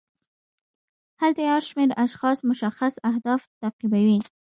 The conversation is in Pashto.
هلته یو شمیر اشخاص مشخص اهداف تعقیبوي.